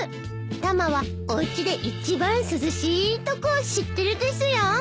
タマはおうちで一番涼しいとこを知ってるですよ。